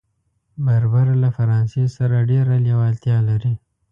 بربر له فرانسې سره ډېره لېوالتیا لري.